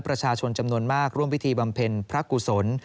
ประชาชนจำนวนมากร่วมพิธีบำเพ็ญพระกุศล